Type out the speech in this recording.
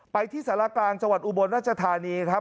ไปที่สารกลางจังหวัดอุบลราชธานีครับ